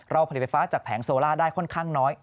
ผลิตไฟฟ้าจากแผงโซล่าได้ค่อนข้างน้อย